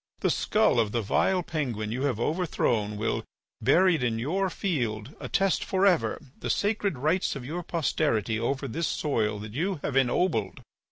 The skull of the vile Penguin you have overthrown will, buried in your field, attest for ever the sacred rights of your posterity over this soil that you have ennobled.